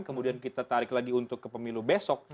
kemudian kita tarik lagi untuk ke pemilu besok